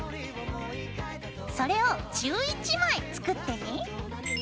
それを１１枚作ってね。